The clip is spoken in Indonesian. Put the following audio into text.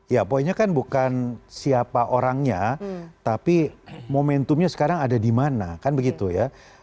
ya poinnya kan bukan siapa orangnya tapi momentumnya sekarang ada di mana kan begitu ya